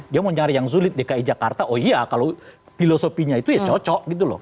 dia mau nyari yang sulit dki jakarta oh iya kalau filosofinya itu ya cocok gitu loh